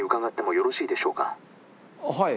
はい。